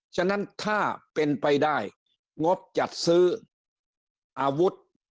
ฉะนั้นถ้าเป็นไปได้งบจัดซื้ออาวุธ